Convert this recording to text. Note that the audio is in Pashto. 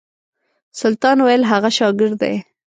سلطان ویل هغه شاګرد دی.